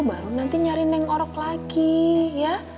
baru nanti nyari neng orok lagi ya